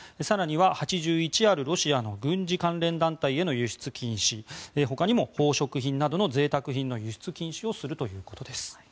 更には８１あるロシアの軍事関連団体への輸出禁止ほかにも宝飾品などのぜいたく品の輸出禁止をするということです。